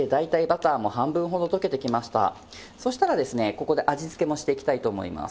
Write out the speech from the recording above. ここで味付けもしていきたいと思います。